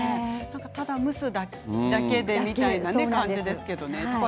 ただ蒸すだけでできる感じですけれどもね